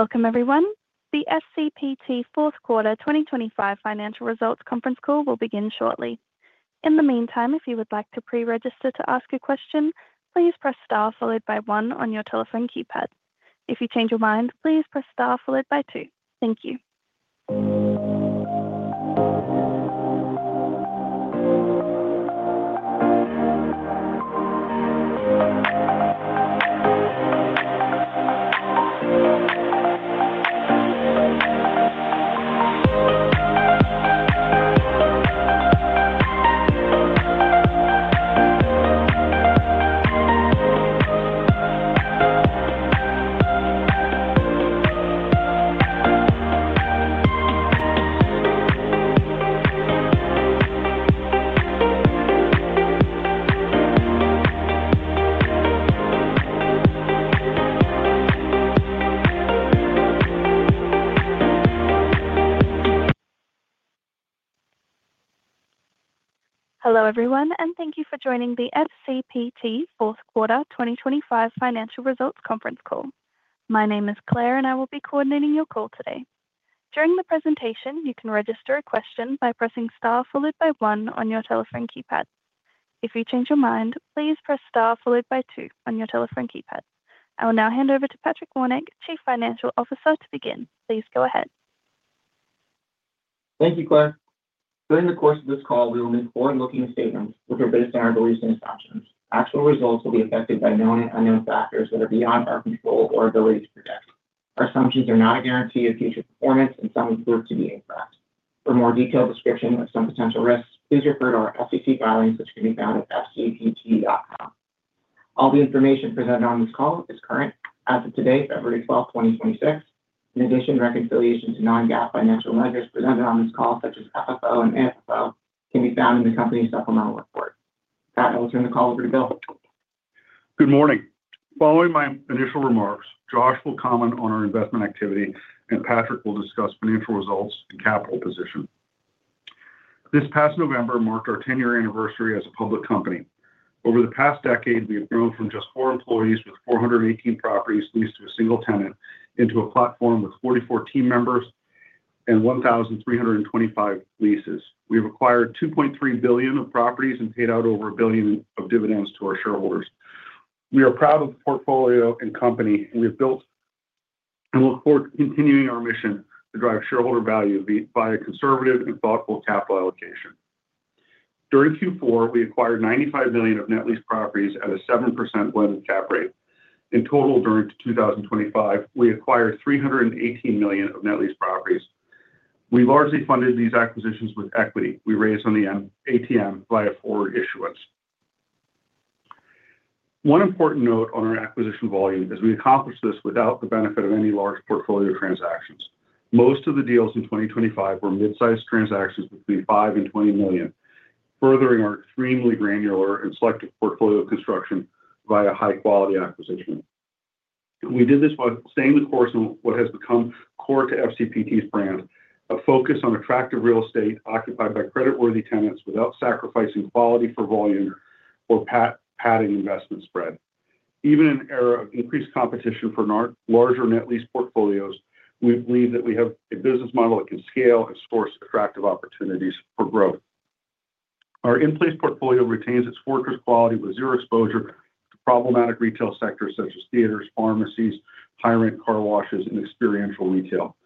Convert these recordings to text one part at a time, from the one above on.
Welcome, everyone. The FCPT fourth quarter 2025 financial results conference call will begin shortly. In the meantime, if you would like to pre-register to ask a question, please press star followed by one on your telephone keypad. If you change your mind, please press star followed by two. Thank you. Hello, everyone, and thank you for joining the FCPT fourth quarter 2025 financial results conference call. My name is Claire, and I will be coordinating your call today. During the presentation, you can register a question by pressing star followed by one on your telephone keypad. If you change your mind, please press star followed by two on your telephone keypad. I will now hand over to Patrick Wernig, Chief Financial Officer, to begin. Please go ahead. Thank you, Claire. During the course of this call, we will make forward-looking statements, which are based on our beliefs and assumptions. Actual results will be affected by known and unknown factors that are beyond our control or ability to predict. Our assumptions are not a guarantee of future performance, and some prove to be incorrect. For more detailed description of some potential risks, please refer to our SEC filings, which can be found at FCPT.com. All the information presented on this call is current as of today, February 12th, 2026. In addition, reconciliation to non-GAAP financial measures presented on this call, such as FFO and AFFO, can be found in the company's supplemental report. Pat, I'll turn the call over to Bill. Good morning. Following my initial remarks, Josh will comment on our investment activity, and Patrick will discuss financial results and capital position. This past November marked our 10-year anniversary as a public company. Over the past decade, we've grown from just four employees with 418 properties leased to a single tenant into a platform with 44 team members and 1,325 leases. We've acquired $2.3 billion of properties and paid out over $1 billion of dividends to our shareholders. We are proud of the portfolio and company we've built and look forward to continuing our mission to drive shareholder value by a conservative and thoughtful capital allocation. During Q4, we acquired $95 million of net lease properties at a 7% blended cap rate. In total, during 2025, we acquired $318 million of net lease properties. We largely funded these acquisitions with equity. We raised on the ATM via 4 issuances. One important note on our acquisition volume is we accomplished this without the benefit of any large portfolio transactions. Most of the deals in 2025 were mid-sized transactions between $5 million and $20 million, furthering our extremely granular and selective portfolio construction via high-quality acquisitions. We did this while staying the course on what has become core to FCPT's brand, a focus on attractive real estate occupied by credit-worthy tenants without sacrificing quality for volume or padding investment spread. Even in an era of increased competition for our larger net lease portfolios, we believe that we have a business model that can scale and source attractive opportunities for growth. Our in-place portfolio retains its fortress quality with zero exposure to problematic retail sectors such as theaters, pharmacies, high-rent car washes, and experiential retail.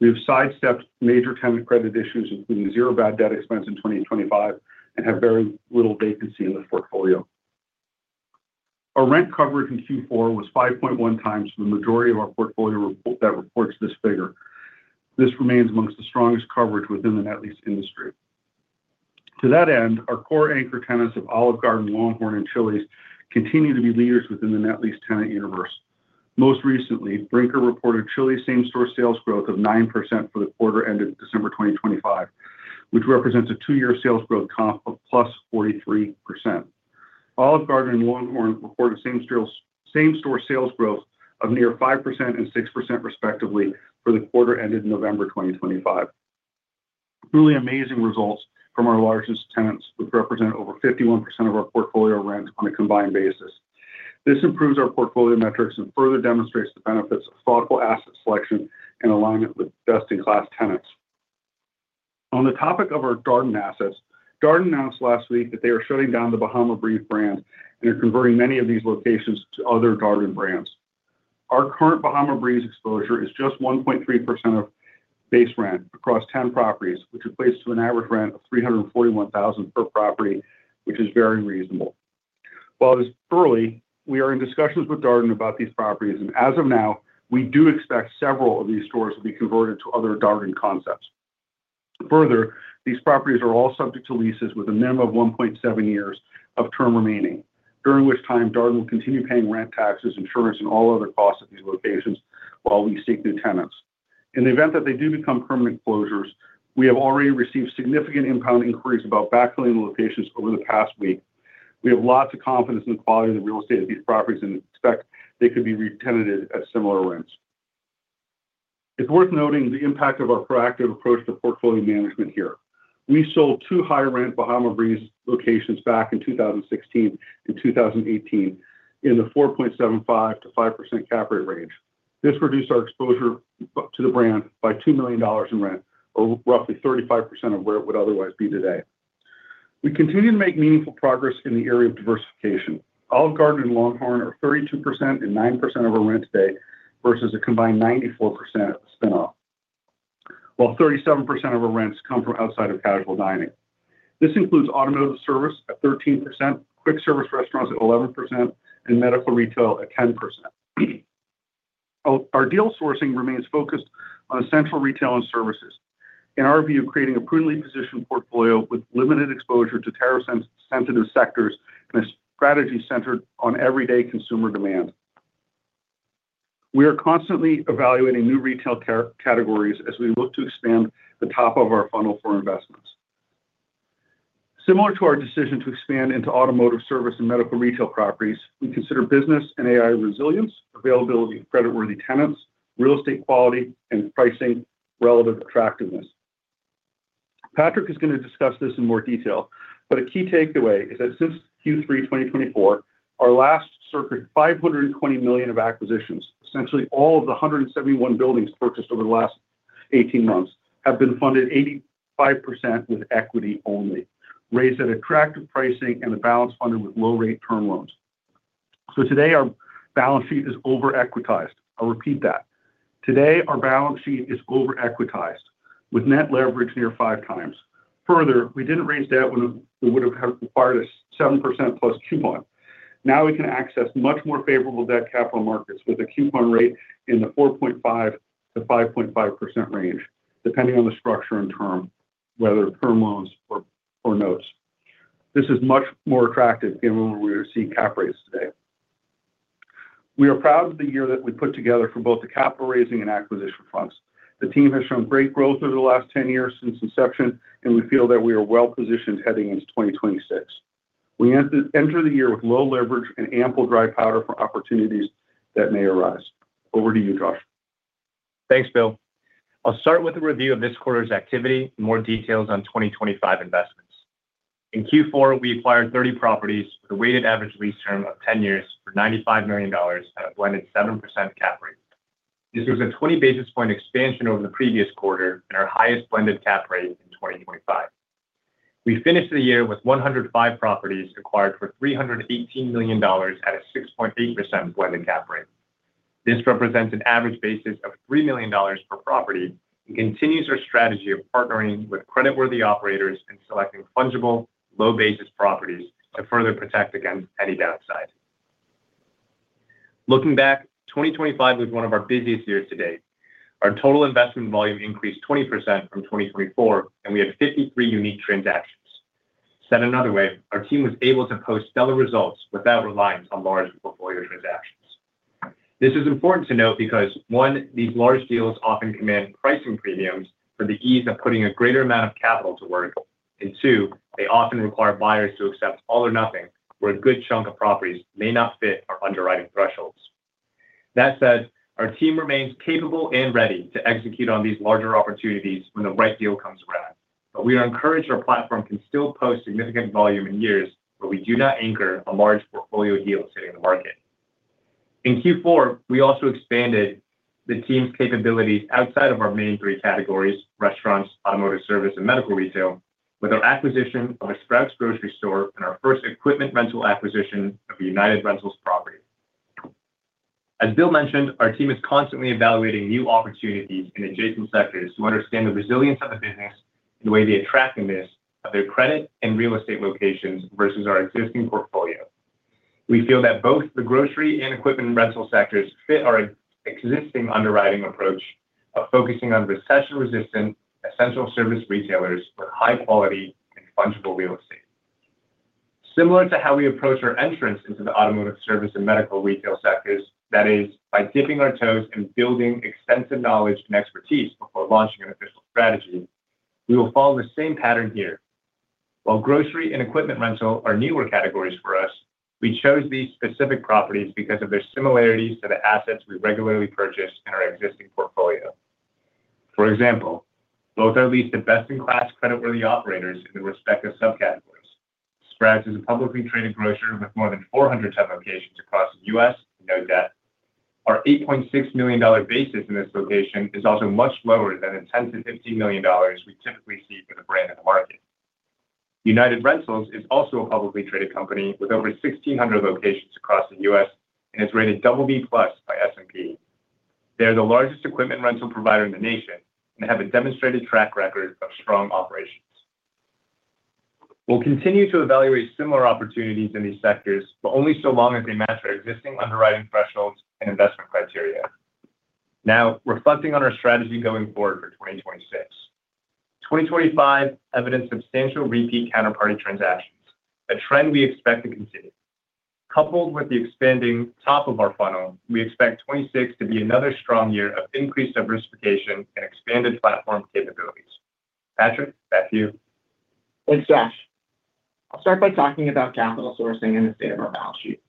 We have sidestepped major tenant credit issues, including zero bad debt expense in 2020 and 2025, and have very little vacancy in the portfolio. Our rent coverage in Q4 was 5.1x for the majority of our portfolio report that reports this figure. This remains among the strongest coverage within the net lease industry. To that end, our core anchor tenants of Olive Garden, LongHorn, and Chili's continue to be leaders within the net lease tenant universe. Most recently, Brinker reported Chili's same-store sales growth of 9% for the quarter ended December 2025, which represents a two-year sales growth comp of +43%. Olive Garden and LongHorn reported same-store sales growth of near 5% and 6%, respectively, for the quarter ended November 2025. Really amazing results from our largest tenants, which represent over 51% of our portfolio rent on a combined basis. This improves our portfolio metrics and further demonstrates the benefits of thoughtful asset selection and alignment with best-in-class tenants. On the topic of our Darden assets, Darden announced last week that they are shutting down the Bahama Breeze brand and are converting many of these locations to other Darden brands. Our current Bahama Breeze exposure is just 1.3% of base rent across 10 properties, which equates to an average rent of $341,000 per property, which is very reasonable. While it is early, we are in discussions with Darden about these properties, and as of now, we do expect several of these stores to be converted to other Darden concepts. Further, these properties are all subject to leases with a minimum of 1.7 years of term remaining, during which time Darden will continue paying rent, taxes, insurance, and all other costs of these locations while we seek new tenants. In the event that they do become permanent closures, we have already received significant inbound inquiries about backfilling the locations over the past week. We have lots of confidence in the quality of the real estate of these properties and expect they could be re-tenanted at similar rents. It's worth noting the impact of our proactive approach to portfolio management here. We sold two high-rent Bahama Breeze locations back in 2016 and 2018 in the 4.75%-5% cap rate range. This reduced our exposure to the brand by $2 million in rent, or roughly 35% of where it would otherwise be today. We continue to make meaningful progress in the area of diversification. Olive Garden and LongHorn are 32% and 9% of our rent today, versus a combined 94% spin-off, while 37% of our rents come from outside of casual dining. This includes automotive service at 13%, quick service restaurants at 11%, and medical retail at 10%. Our deal sourcing remains focused on essential retail and services. In our view, creating a prudently positioned portfolio with limited exposure to tariff-sensitive sectors and a strategy centered on everyday consumer demand. We are constantly evaluating new retail categories as we look to expand the top of our funnel for investments. Similar to our decision to expand into automotive service and medical retail properties, we consider business and AI resilience, availability of creditworthy tenants, real estate quality, and pricing relative attractiveness. Patrick is going to discuss this in more detail, but a key takeaway is that since Q3 2024, our last cohort, $520 million of acquisitions, essentially all of the 171 buildings purchased over the last 18 months, have been funded 85% with equity only, raised at attractive pricing and a balanced funding with low rate term loans. So today, our balance sheet is over-equitized. I'll repeat that. Today, our balance sheet is over-equitized, with net leverage near 5x. Further, we didn't raise debt when it would have required a 7%+ coupon. Now we can access much more favorable debt capital markets with a coupon rate in the 4.5%-5.5% range, depending on the structure and term, whether term loans or notes. This is much more attractive given where we are seeing cap rates today. We are proud of the year that we put together for both the capital raising and acquisition fronts. The team has shown great growth over the last 10 years since inception, and we feel that we are well positioned heading into 2026. We enter the year with low leverage and ample dry powder for opportunities that may arise. Over to you, Josh. Thanks, Bill. I'll start with a review of this quarter's activity and more details on 2025 investments. In Q4, we acquired 30 properties with a weighted average lease term of 10 years for $95 million at a blended 7% cap rate. This was a 20 basis point expansion over the previous quarter and our highest blended cap rate in 2025. We finished the year with 105 properties acquired for $318 million at a 6.8% blended cap rate. This represents an average basis of $3 million per property and continues our strategy of partnering with creditworthy operators and selecting fungible, low basis properties to further protect against any downside. Looking back, 2025 was one of our busiest years to date. Our total investment volume increased 20% from 2024, and we had 53 unique transactions. Said another way, our team was able to post stellar results without reliance on large portfolio transactions. This is important to note because, one, these large deals often command pricing premiums for the ease of putting a greater amount of capital to work. And two, they often require buyers to accept all or nothing, where a good chunk of properties may not fit our underwriting thresholds. That said, our team remains capable and ready to execute on these larger opportunities when the right deal comes around. But we are encouraged our platform can still post significant volume in years, but we do not anchor a large portfolio deal sitting in the market. In Q4, we also expanded the team's capabilities outside of our main three categories: restaurants, automotive service, and medical retail, with our acquisition of a Sprouts grocery store and our first equipment rental acquisition of a United Rentals property. As Bill mentioned, our team is constantly evaluating new opportunities in adjacent sectors to understand the resilience of the business and the way the attractiveness of their credit and real estate locations versus our existing portfolio. We feel that both the grocery and equipment rental sectors fit our existing underwriting approach of focusing on recession-resistant, essential service retailers with high quality and fungible real estate. Similar to how we approach our entrance into the automotive service and medical retail sectors, that is, by dipping our toes and building extensive knowledge and expertise before launching an official strategy, we will follow the same pattern here. While grocery and equipment rental are newer categories for us, we chose these specific properties because of their similarities to the assets we regularly purchase in our existing portfolio. For example, both are leased to best-in-class, creditworthy operators in their respective subcategories. Sprouts is a publicly traded grocer with more than 410 locations across the U.S. and no debt. Our $8.6 million dollar basis in this location is also much lower than the $10 million-$15 million dollars we typically see for the brand in the market. United Rentals is also a publicly traded company with over 1,600 locations across the U.S. and is rated BB+ by S&P. They are the largest equipment rental provider in the nation and have a demonstrated track record of strong operations. We'll continue to evaluate similar opportunities in these sectors, but only so long as they match our existing underwriting thresholds and investment criteria. Now, reflecting on our strategy going forward for 2026. 2025 evidenced substantial repeat counterparty transactions, a trend we expect to continue. Coupled with the expanding top of our funnel, we expect 2026 to be another strong year of increased diversification and expanded platform capabilities. Patrick, back to you. Thanks, Josh. I'll start by talking about capital sourcing and the state of our balance sheet.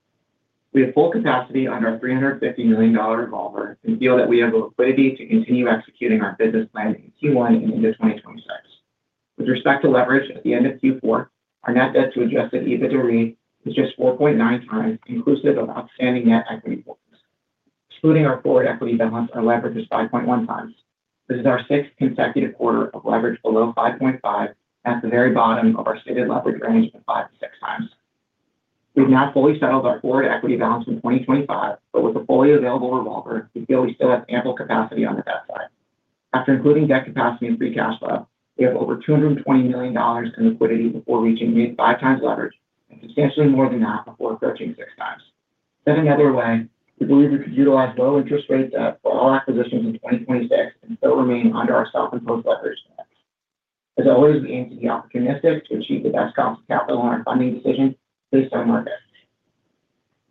We have full capacity on our $350 million revolver and feel that we have the liquidity to continue executing our business plan in Q1 and into 2026. With respect to leverage at the end of Q4, our net debt to adjusted EBITDA is just 4.9x, inclusive of outstanding net equity forwards. Excluding our forward equity balance, our leverage is 5.1x. This is our sixth consecutive quarter of leverage below 5.5, at the very bottom of our stated leverage range of 5-6x. We've not fully settled our forward equity balance in 2025, but with a fully available revolver, we feel we still have ample capacity on the debt side. After including debt capacity and free cash flow, we have over $220 million in liquidity before reaching 5x leverage and substantially more than that before approaching 6x. Said another way, we believe we could utilize low interest rates debt for all acquisitions in 2026 and still remain under our self-imposed leverage. As always, we aim to be opportunistic to achieve the best cost of capital on our funding decision based on market.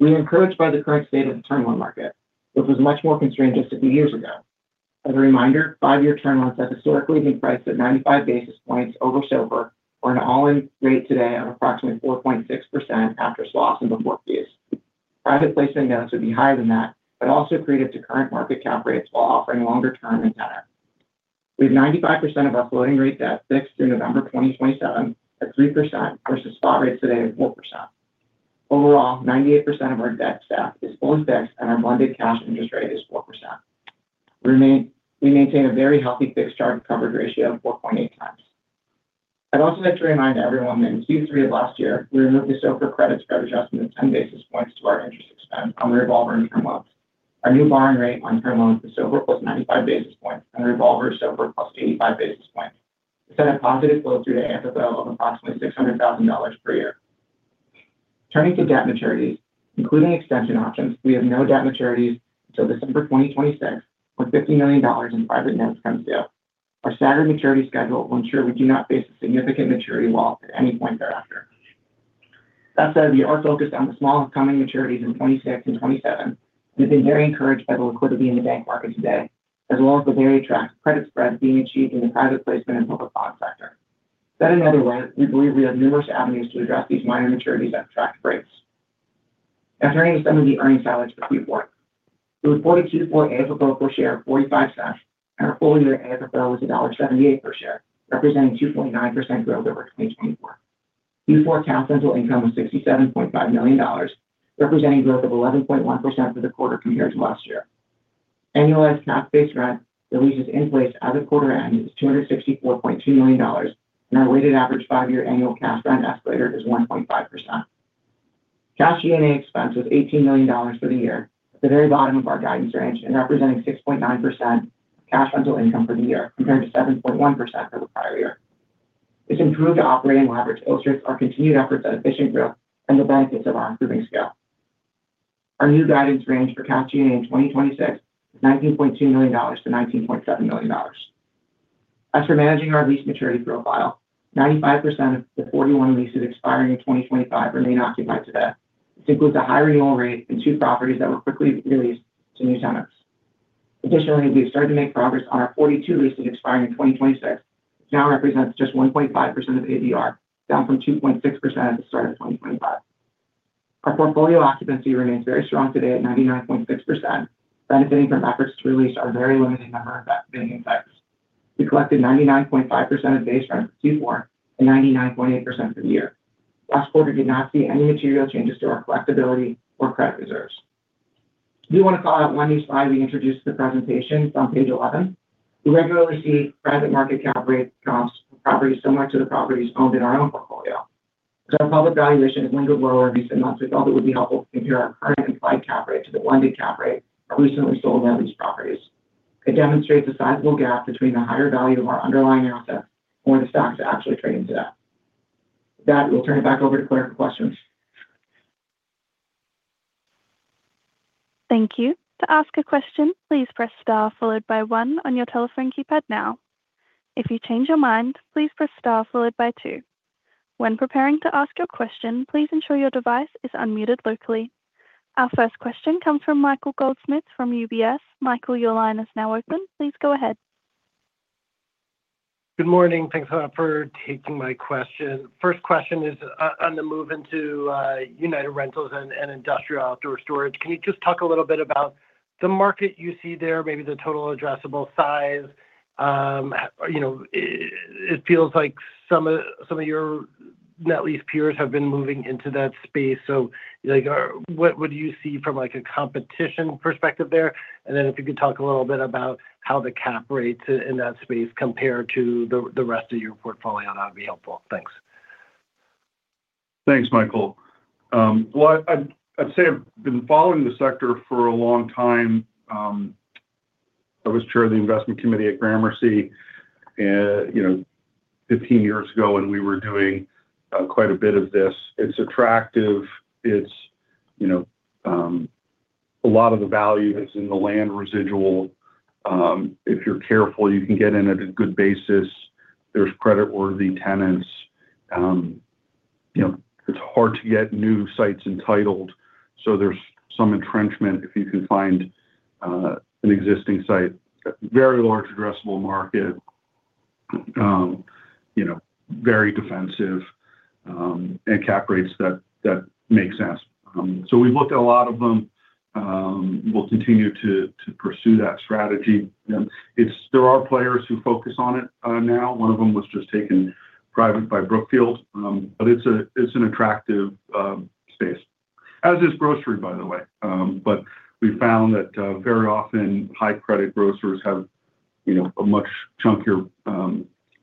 We are encouraged by the current state of the term loan market, which was much more constrained just a few years ago. As a reminder, 5-year term loans have historically been priced at 95 basis points over SOFR, or an all-in rate today of approximately 4.6% after swaps and before fees. Private placement notes would be higher than that, but also competitive with current market cap rates while offering longer-term and better. We have 95% of our floating rate debt fixed through November 2027 at 3% versus spot rates today of 4%. Overall, 98% of our debt stack is fixed debt, and our blended cash interest rate is 4%. We maintain a very healthy fixed charge coverage ratio of 4.8x. I'd also like to remind everyone that in Q3 of last year, we removed the SOFR credit spread adjustment of 10 basis points to our interest expense on the revolver and term loans. Our new borrowing rate on term loans for SOFR was 95 basis points, and the revolver SOFR plus 85 basis points. This had a positive flow through to FFO of approximately $600,000 per year. Turning to debt maturities, including extension options, we have no debt maturities until December 2026, with $50 million in private notes come due. Our standard maturity schedule will ensure we do not face a significant maturity wall at any point thereafter. That said, we are focused on the small upcoming maturities in 2026 and 2027. We've been very encouraged by the liquidity in the bank market today, as well as the very attractive credit spreads being achieved in the private placement and public bond sector. Said another way, we believe we have numerous avenues to address these minor maturities at attractive rates. Now, turning to some of the earnings highlights for Q4. We reported Q4 AFFO per share of $0.45, and our full year AFFO was $1.78 per share, representing 2.9% growth over 2024. Q4 cash rental income was $67.5 million, representing growth of 11.1% for the quarter compared to last year. Annualized cash-based rent, the leases in place as of quarter end, is $264.2 million, and our weighted average five-year annual cash rent escalator is 1.5%. Cash G&A expense was $18 million for the year, at the very bottom of our guidance range and representing 6.9% cash rental income for the year, compared to 7.1% for the prior year. This improved operating leverage illustrates our continued efforts at efficient growth and the benefits of our improving scale. Our new guidance range for cash G&A in 2026 is $19.2 million-$19.7 million. As for managing our lease maturity profile, 95% of the 41 leases expiring in 2025 remain occupied today. This includes a high renewal rate and two properties that were quickly released to new tenants. Additionally, we've started to make progress on our 42 leases expiring in 2026, which now represents just 1.5% of ABR, down from 2.6% at the start of 2025. Our portfolio occupancy remains very strong today at 99.6%, benefiting from efforts to release our very limited number of vacant assets. We collected 99.5% of base rent in Q4 and 99.8% for the year. Last quarter did not see any material changes to our collectibility or credit reserves. We want to call out one new slide we introduced to the presentation. It's on page 11. We regularly see private market cap rate comps for properties similar to the properties owned in our own portfolio. As our public valuation has lingered lower in recent months, we thought it would be helpful to compare our current implied cap rate to the blended cap rate of recently sold net lease properties. It demonstrates a sizable gap between the higher value of our underlying assets or the stocks that actually trade into that. With that, we'll turn it back over to Claire for questions. Thank you. To ask a question, please press star followed by one on your telephone keypad now. If you change your mind, please press star followed by two. When preparing to ask your question, please ensure your device is unmuted locally. Our first question comes from Michael Goldsmith from UBS. Michael, your line is now open. Please go ahead. Good morning. Thanks for taking my question. First question is on the move into United Rentals and industrial outdoor storage. Can you just talk a little bit about the market you see there, maybe the total addressable size? You know, it feels like some of your net lease peers have been moving into that space. So, like, what do you see from, like, a competition perspective there? And then if you could talk a little bit about how the cap rates in that space compare to the rest of your portfolio, that'd be helpful. Thanks. Thanks, Michael. Well, I'd say I've been following the sector for a long time. I was chair of the investment committee at Gramercy, you know, 15 years ago, and we were doing quite a bit of this. It's attractive. It's, you know, a lot of the value is in the land residual. If you're careful, you can get in at a good basis. There's creditworthy tenants. You know, it's hard to get new sites entitled. So there's some entrenchment if you can find an existing site, a very large addressable market, you know, very defensive, and cap rates that make sense. So we've looked at a lot of them, we'll continue to pursue that strategy. It's. There are players who focus on it now. One of them was just taken private by Brookfield, but it's a, it's an attractive space. As is grocery, by the way, but we found that very often high credit grocers have, you know, a much chunkier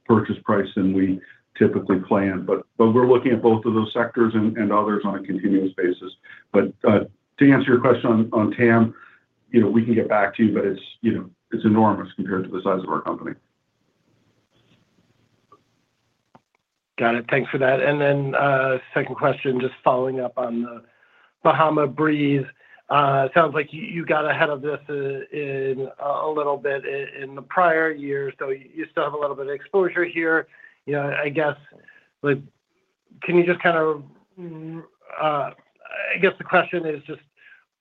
purchase price than we typically plan. But, but we're looking at both of those sectors and others on a continuous basis. But, to answer your question on TAM, you know, we can get back to you, but it's, you know, it's enormous compared to the size of our company. Got it. Thanks for that. And then, second question, just following up on the Bahama Breeze. It sounds like you got ahead of this in a little bit in the prior year, so you still have a little bit of exposure here. You know, I guess, like, can you just kind of, I guess the question is just: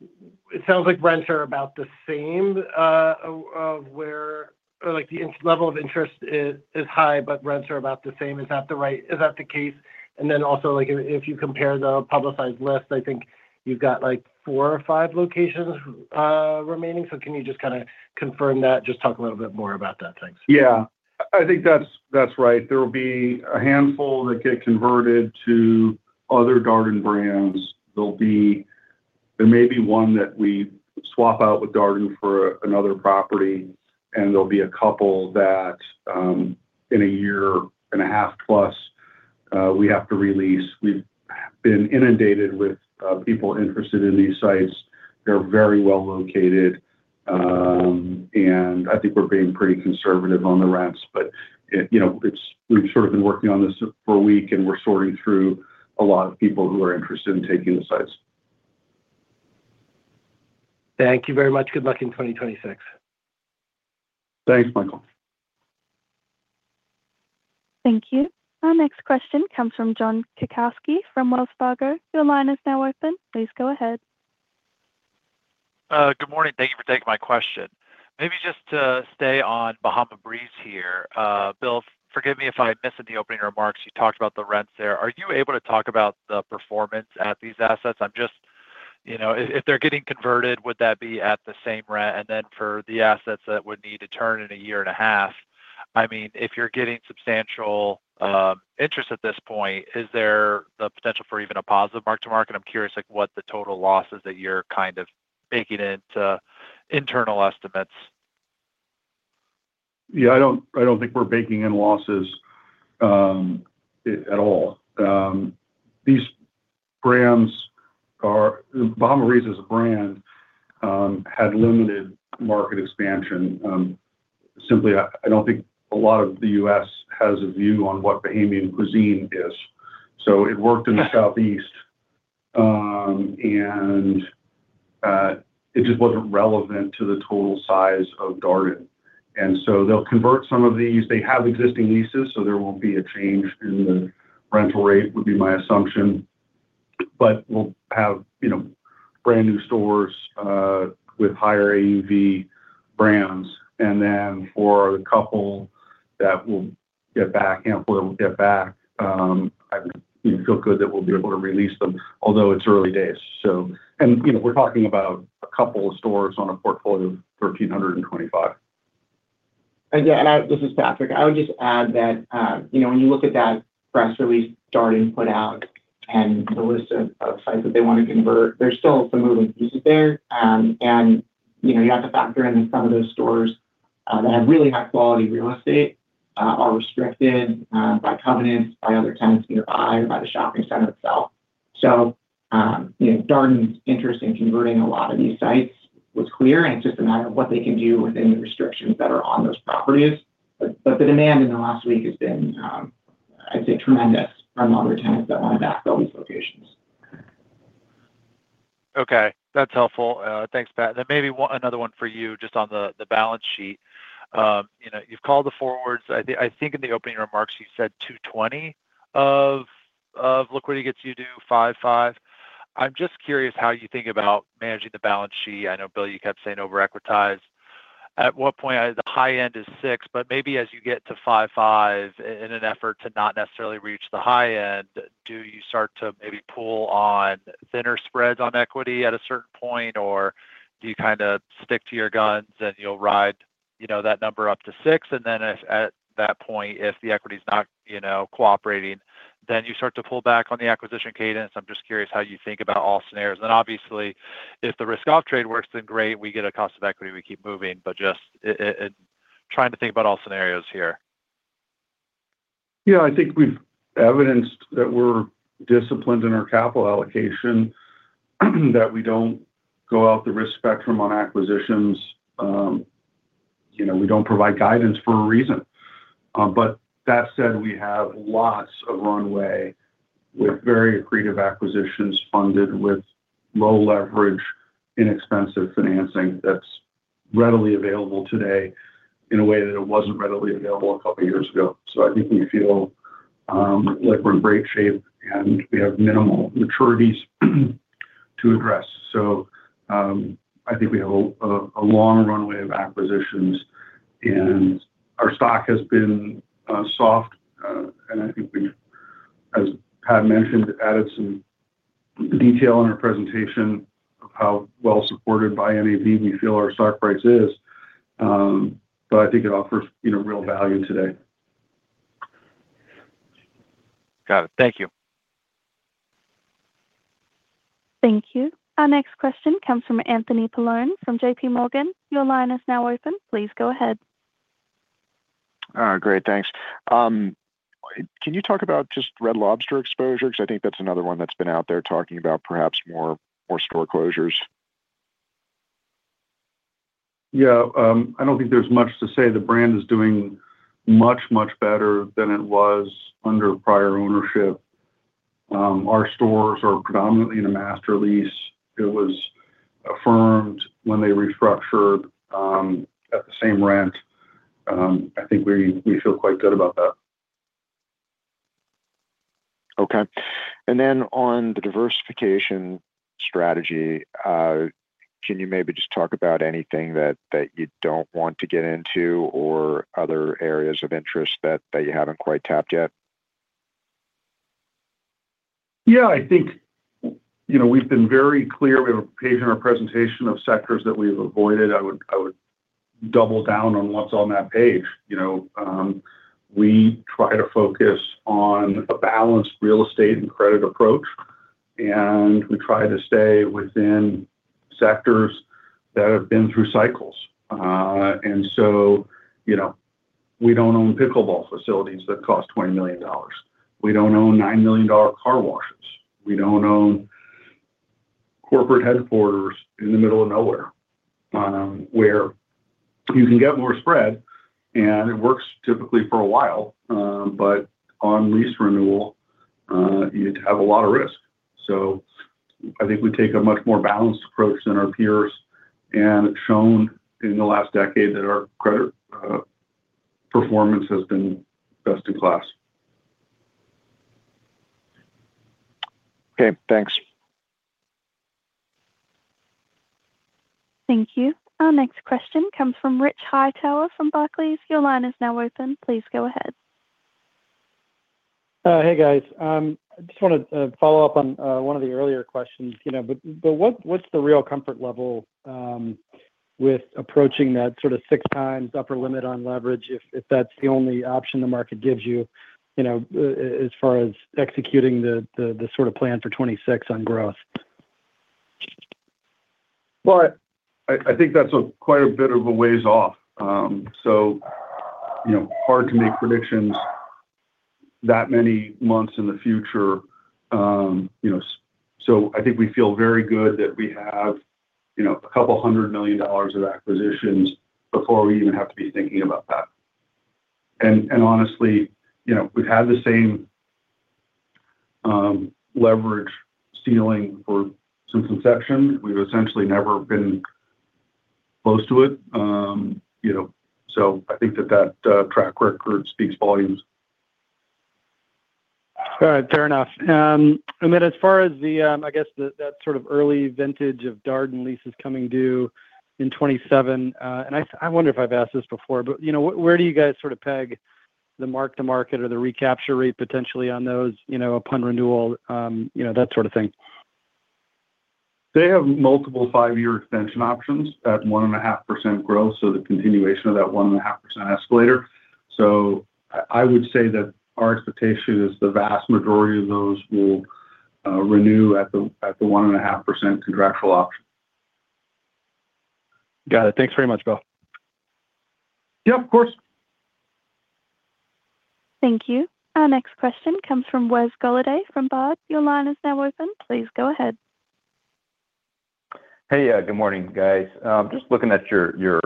it sounds like rents are about the same of where. Or, like, the interest level of interest is high, but rents are about the same. Is that right? Is that the case? And then also, like, if you compare the publicized list, I think you've got, like, four or five locations remaining. So can you just kinda confirm that? Just talk a little bit more about that. Thanks. Yeah. I think that's, that's right. There will be a handful that get converted to other Darden brands. There'll be... There may be one that we swap out with Darden for another property, and there'll be a couple that, in a year and a half plus, we have to release. We've been inundated with people interested in these sites. They're very well located, and I think we're being pretty conservative on the rents, but you know, it's we've sort of been working on this for a week, and we're sorting through a lot of people who are interested in taking the sites. Thank you very much. Good luck in 2026. Thanks, Michael. Thank you. Our next question comes from John Kilichowski from Wells Fargo. Your line is now open. Please go ahead. Good morning. Thank you for taking my question. Maybe just to stay on Bahama Breeze here. Bill, forgive me if I missed it in the opening remarks, you talked about the rents there. Are you able to talk about the performance at these assets? I'm just, you know, if they're getting converted, would that be at the same rent? And then for the assets that would need to turn in a year and a half, I mean, if you're getting substantial interest at this point, is there the potential for even a positive mark to market? I'm curious, like, what the total losses that you're kind of baking into internal estimates. Yeah, I don't, I don't think we're baking in losses, at all. These brands are, Bahama Breeze as a brand, had limited market expansion. Simply, I don't think a lot of the U.S. has a view on what Bahamian cuisine is. So it worked in the Southeast, and it just wasn't relevant to the total size of Darden. And so they'll convert some of these. They have existing leases, so there won't be a change in the rental rate, would be my assumption. But we'll have, you know, brand-new stores, with higher AUV brands. And then for the couple that we'll get back, and we'll get back, I feel good that we'll be able to release them, although it's early days. So... And, you know, we're talking about a couple of stores on a portfolio of 1,325. And yeah, this is Patrick. I would just add that, you know, when you look at that press release Darden put out and the list of sites that they want to convert, there's still some moving pieces there. And, you know, you have to factor in that some of those stores that have really high-quality real estate are restricted by covenants, by other tenants nearby, by the shopping center itself. So, you know, Darden's interest in converting a lot of these sites was clear, and it's just a matter of what they can do within the restrictions that are on those properties. But the demand in the last week has been, I'd say, tremendous from other tenants that want to backfill these locations. Okay, that's helpful. Thanks, Pat. Then maybe one, another one for you just on the balance sheet. You know, you've called the forwards. I think in the opening remarks, you said $220 of liquidity gets you to 5.5. I'm just curious how you think about managing the balance sheet. I know, Bill, you kept saying over-equitize. At what point, the high end is 6, but maybe as you get to 5.5, in an effort to not necessarily reach the high end, do you start to maybe pull on thinner spreads on equity at a certain point? Or do you kinda stick to your guns, and you'll ride, you know, that number up to 6, and then at that point, if the equity's not, you know, cooperating, then you start to pull back on the acquisition cadence? I'm just curious how you think about all scenarios. And obviously, if the risk-off trade works, then great, we get a cost of equity, we keep moving. But just trying to think about all scenarios here. Yeah, I think we've evidenced that we're disciplined in our capital allocation, that we don't go out the risk spectrum on acquisitions. You know, we don't provide guidance for a reason. But that said, we have lots of runway with very accretive acquisitions funded with low leverage, inexpensive financing that's readily available today in a way that it wasn't readily available a couple of years ago. So I think we feel like we're in great shape, and we have minimal maturities to address. So, I think we have a long runway of acquisitions, and our stock has been soft. And I think we've, as Pat mentioned, added some detail in our presentation of how well supported by NAV we feel our stock price is. But I think it offers, you know, real value today. Got it. Thank you. Thank you. Our next question comes from Anthony Paolone from JPMorgan. Your line is now open. Please go ahead. Great, thanks. Can you talk about just Red Lobster exposure? Because I think that's another one that's been out there talking about perhaps more, more store closures. Yeah, I don't think there's much to say. The brand is doing much, much better than it was under prior ownership. Our stores are predominantly in a master lease. It was affirmed when they restructured, at the same rent. I think we feel quite good about that. Okay. And then on the diversification strategy, can you maybe just talk about anything that you don't want to get into or other areas of interest that you haven't quite tapped yet? Yeah, I think, you know, we've been very clear. We have a page in our presentation of sectors that we've avoided. I would, I would double down on what's on that page. You know, we try to focus on a balanced real estate and credit approach, and we try to stay within sectors that have been through cycles. And so, you know, we don't own pickleball facilities that cost $20 million. We don't own $9 million car washes. We don't own corporate headquarters in the middle of nowhere, where you can get more spread, and it works typically for a while, but on lease renewal, you'd have a lot of risk. So I think we take a much more balanced approach than our peers, and it's shown in the last decade that our credit performance has been best in class. Okay, thanks. Thank you. Our next question comes from Rich Hightower from Barclays. Your line is now open. Please go ahead. Hey, guys. I just wanted to follow up on one of the earlier questions, you know. But what's the real comfort level with approaching that sort of 6x upper limit on leverage, if that's the only option the market gives you, you know, as far as executing the sort of plan for 2026 on growth? Well, I think that's quite a bit of a ways off. So, you know, hard to make predictions that many months in the future, you know. So I think we feel very good that we have, you know, $200 million of acquisitions before we even have to be thinking about that. And honestly, you know, we've had the same leverage ceiling for since inception. We've essentially never been close to it. You hasn't been a driver. So I think that that track record speaks volumes. All right. Fair enough. And then as far as the, I guess that sort of early vintage of Darden leases coming due in 2027, and I wonder if I've asked this before, but, you know, where do you guys sort of peg the mark-to-market or the recapture rate potentially on those, you know, upon renewal, you know, that sort of thing? They have multiple five-year extension options at 1.5% growth, so the continuation of that 1.5% escalator. So I, I would say that our expectation is the vast majority of those will renew at the, at the 1.5% contractual option. Got it. Thanks very much, Bill. Yeah, of course. Thank you. Our next question comes from Wes Golladay, from Baird. Your line is now open. Please go ahead. Hey, good morning, guys. Just looking at your, your,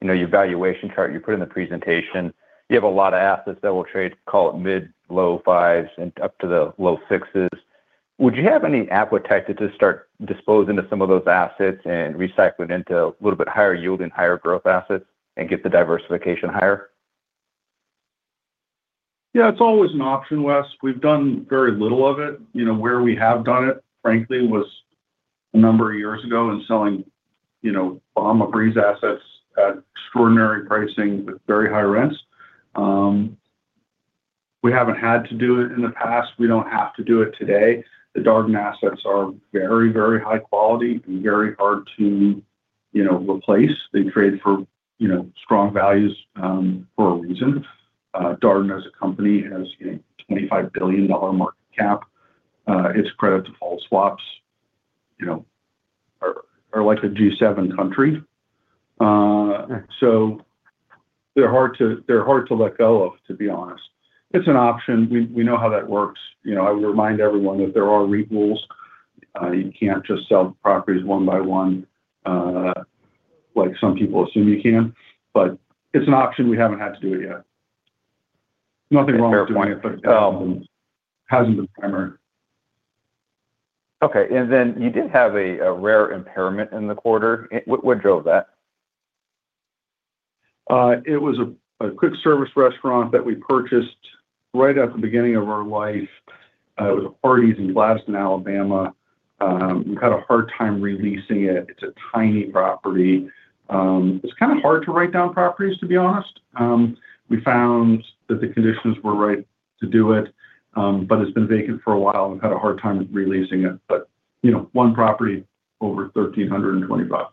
you know, your valuation chart you put in the presentation. You have a lot of assets that will trade, call it mid- to low 5s and up to the low 6s. Would you have any appetite to just start disposing of some of those assets and recycling into a little bit higher yield and higher growth assets and get the diversification higher? Yeah, it's always an option, Wes. We've done very little of it. You know, where we have done it, frankly, was a number of years ago and selling, you know, Bahama Breeze assets at extraordinary pricing with very high rents. We haven't had to do it in the past. We don't have to do it today. The Darden assets are very, very high quality and very hard to, you know, replace. They trade for, you know, strong values, for a reason. Darden, as a company, has a $25 billion market cap. Its credit default swaps, you know, are, are like a G7 country. So they're hard to, they're hard to let go of, to be honest. It's an option. We, we know how that works. You know, I would remind everyone that there are REIT rules. You can't just sell properties one by one, like some people assume you can, but it's an option. We haven't had to do it yet. Nothing wrong with doing it, but hasn't been primary. Okay, and then you did have a rare impairment in the quarter. What drove that? It was a quick service restaurant that we purchased right at the beginning of our life. It was a Hardee's in Glencoe in Alabama. We've had a hard time re-leasing it. It's a tiny property. It's kind of hard to write down properties, to be honest. We found that the conditions were right to do it, but it's been vacant for a while. We've had a hard time re-leasing it, but, you know, one property over $1,320.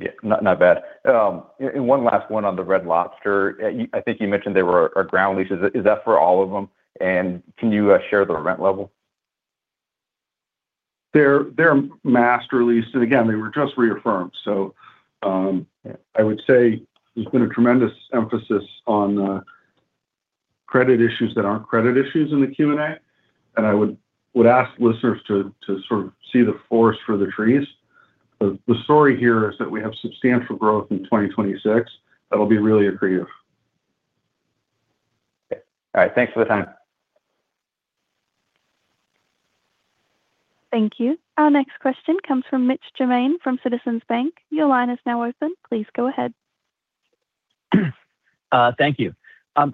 Yeah. Not, not bad. And one last one on the Red Lobster. I think you mentioned they were, are ground leases. Is that for all of them? And can you share the rent level? They're master leased, and again, they were just reaffirmed. So, I would say there's been a tremendous emphasis on credit issues that aren't credit issues in the Q&A, and I would ask listeners to sort of see the forest for the trees. But the story here is that we have substantial growth in 2026 that will be really accretive. Okay. All right. Thanks for the time. Thank you. Our next question comes from Mitch Germain from Citizens Bank. Your line is now open. Please go ahead. Thank you.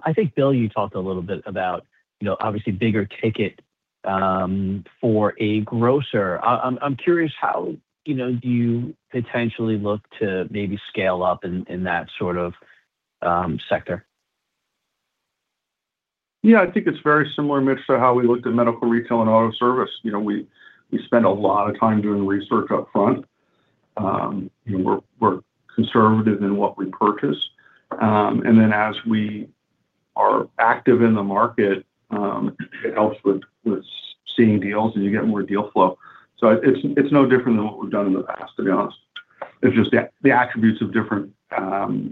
I think, Bill, you talked a little bit about, you know, obviously bigger ticket for a grocer. I'm curious, how, you know, do you potentially look to maybe scale up in that sort of sector? Yeah, I think it's very similar, Mitch, to how we looked at medical, retail, and auto service. You know, we spend a lot of time doing research upfront. And we're conservative in what we purchase. And then as we are active in the market, it helps with seeing deals, and you get more deal flow. So it's no different than what we've done in the past, to be honest. It's just that the attributes of different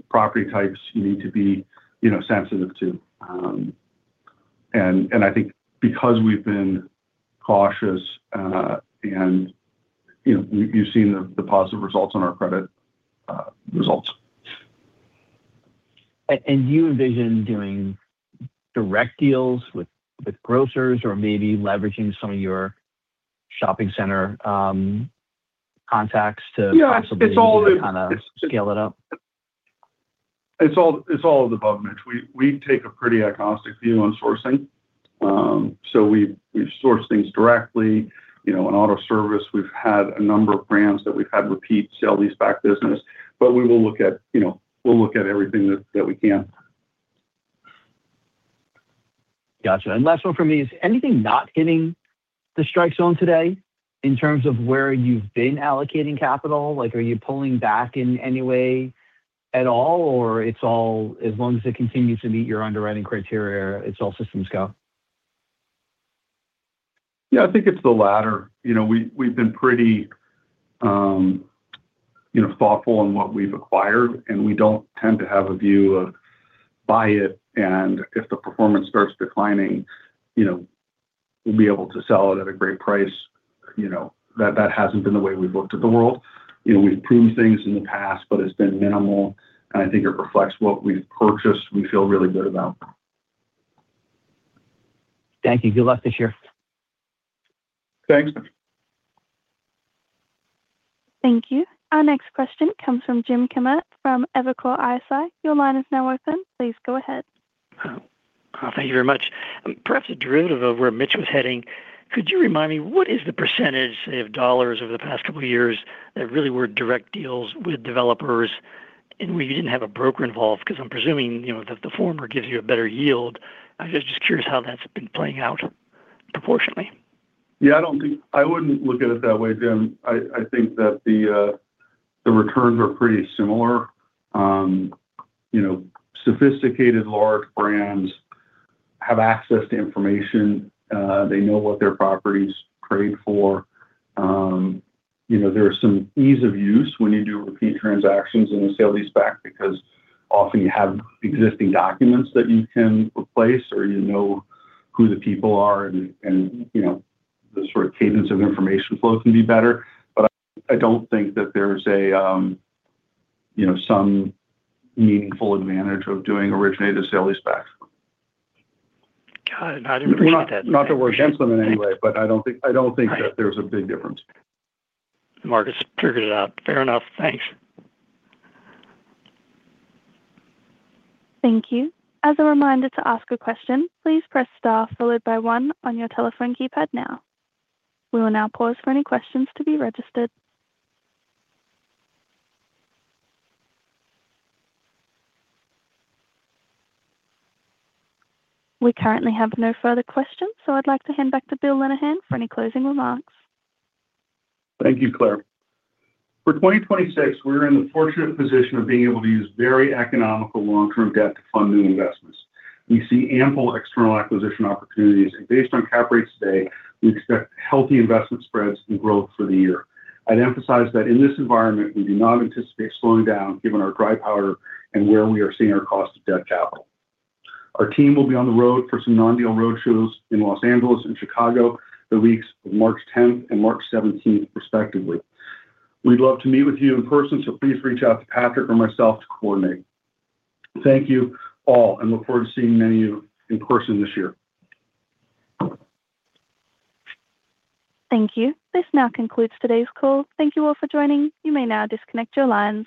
property types you need to be, you know, sensitive to. And I think because we've been cautious, and, you know, you've seen the positive results on our credit results. And you envision doing direct deals with grocers or maybe leveraging some of your shopping center contacts to- Yeah.... possibly, kinda scale it up? It's all of the above, Mitch. We take a pretty agnostic view on sourcing. So we source things directly. You know, in auto service, we've had a number of brands that we've had repeat, sell these back business. But we will look at, you know, we'll look at everything that we can. Gotcha. And last one from me is, anything not hitting the strike zone today in terms of where you've been allocating capital? Like, are you pulling back in any way at all, or it's all as long as it continues to meet your underwriting criteria, it's all systems go? Yeah, I think it's the latter. You know, we, we've been pretty, you know, thoughtful in what we've acquired, and we don't tend to have a view of buy it, and if the performance starts declining, you know, we'll be able to sell it at a great price. You know, that, that hasn't been the way we've looked at the world. You know, we've pruned things in the past, but it's been minimal, and I think it reflects what we've purchased, we feel really good about. Thank you. Good luck this year. Thanks. Thank you. Our next question comes from Jim Kammert from Evercore ISI. Your line is now open. Please go ahead. Oh, thank you very much. Perhaps a derivative of where Mitch was heading, could you remind me, what is the percentage of dollars over the past couple of years that really were direct deals with developers, and where you didn't have a broker involved? Because I'm presuming, you know, that the former gives you a better yield. I'm just, just curious how that's been playing out proportionately. Yeah, I don't think I would look at it that way, Jim. I think that the returns are pretty similar. You know, sophisticated large brands have access to information. They know what their properties trade for. You know, there is some ease of use when you do repeat transactions in the sale-leaseback, because often you have existing documents that you can replace, or you know who the people are, and you know, the sort of cadence of information flow can be better. But I don't think that there's a you know, some meaningful advantage of doing originated sale-leaseback. Got it. I appreciate that. Not to work against them in any way, but I don't think, I don't think that there's a big difference. Mark has figured it out. Fair enough. Thanks. Thank you. As a reminder, to ask a question, please press star followed by one on your telephone keypad now. We will now pause for any questions to be registered. We currently have no further questions, so I'd like to hand back to Bill Lenehan for any closing remarks. Thank you, Claire. For 2026, we're in the fortunate position of being able to use very economical long-term debt to fund new investments. We see ample external acquisition opportunities, and based on cap rates today, we expect healthy investment spreads and growth for the year. I'd emphasize that in this environment, we do not anticipate slowing down, given our dry powder and where we are seeing our cost of debt capital. Our team will be on the road for some non-deal road shows in Los Angeles and Chicago, the weeks of March 10th and March 17th, respectively. We'd love to meet with you in person, so please reach out to Patrick or myself to coordinate. Thank you all, and look forward to seeing many of you in person this year. Thank you. This now concludes today's call. Thank you all for joining. You may now disconnect your lines.